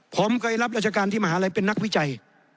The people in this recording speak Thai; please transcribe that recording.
ผมเคยรับราชการที่มหาลัยเป็นนักวิจัย